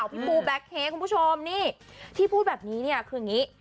พี่ปูแบ็คเค้กคุณผู้ชมนี่ที่พูดแบบนี้เนี่ยคืออย่างนี้